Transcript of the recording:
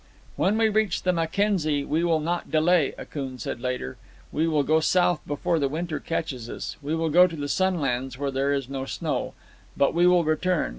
"When we reach the Mackenzie, we will not delay," Akoon said later. "We will go south before the winter catches us. We will go to the sunlands where there is no snow. But we will return.